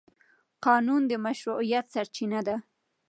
قانون د مشروعیت سرچینه ده.